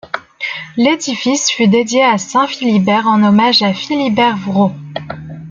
L'édifice fut dédié à saint Philibert en hommage à Philibert Vrau.